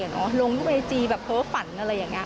แล้วลงไว้ใช้จี๊และเพลินฟันอะไรอย่างนี้